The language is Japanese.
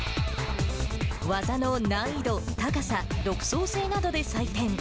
技の難易度、高さ、独創性などで採点。